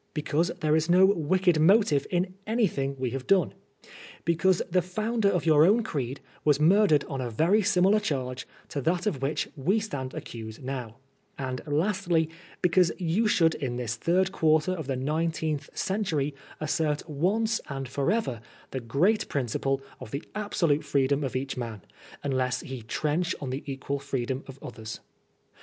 103 cause there is no wicked motive in anthing we have done; because the founder of your own creed was murdered on a veiy similar charge to that of which we stand accused now ; and, lastly, because you should in this third quarter of the nineteenth century assert once and for ever the great principle of the absolute freedom of each man, unless he trench on the equal freedom of others.